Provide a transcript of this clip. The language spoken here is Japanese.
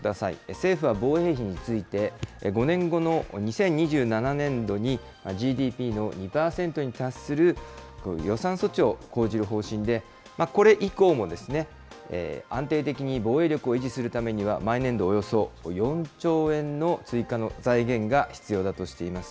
政府は防衛費について、５年後の２０２７年度に、ＧＤＰの２％に達する予算措置を講じる方針で、これ以降も安定的に防衛力を維持するためには、毎年度およそ４兆円の追加の財源が必要だとしています。